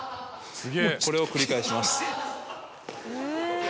これを繰り返します。